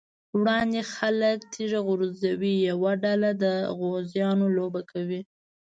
وړاندې خلک تيږه غورځوي، یوه ډله د غوزانو لوبه کوي.